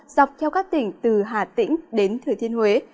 dọc theo các tỉnh từ hà tĩnh đến thừa thiên huế